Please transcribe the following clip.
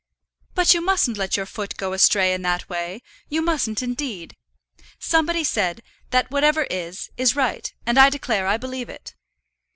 "But you mustn't let your foot go astray in that way; you mustn't, indeed. Somebody said, that whatever is, is right, and I declare I believe it."